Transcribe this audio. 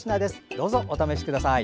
どうぞお試しください。